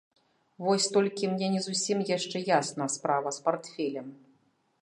Вось толькі мне не зусім яшчэ ясна справа з партфелем.